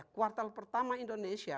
kuartal pertama indonesia